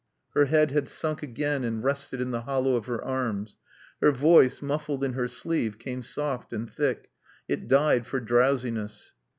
Her head had sunk again and rested in the hollow of her arms. Her voice, muffled in her sleeve, came soft and thick. It died for drowsiness.